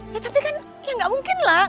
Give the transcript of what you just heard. ya tapi kan gak mungkin lah